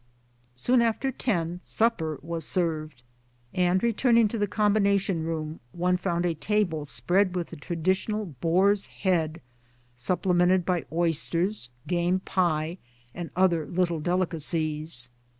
Soon after ten supper was served ; and returning to the combination room one found a table spread with the traditional boar's head, supplemented by oysters, game pie, and other little delicacies.